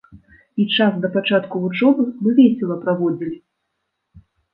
І час да пачатку вучобы мы весела праводзілі.